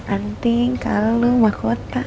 anting kalu mahkota